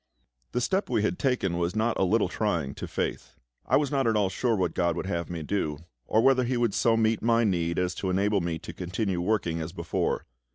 The step we had taken was not a little trying to faith. I was not at all sure what GOD would have me do, or whether He would so meet my need as to enable me to continue working as before.